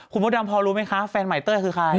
คุณมดดำพอรู้ไหมคะแฟนใหม่เต้ยคือใคร